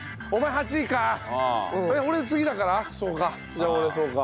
じゃあ俺そうか。